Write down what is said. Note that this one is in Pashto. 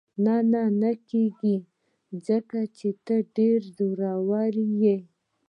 نه، نه کېږو، ځکه ته ډېره زړوره یې.